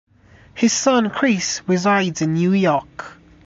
His son Chris resides in New York.